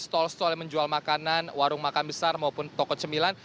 tol stol yang menjual makanan warung makan besar maupun toko cemilan